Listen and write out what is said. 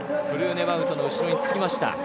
フルーネバウトの後ろにつきました。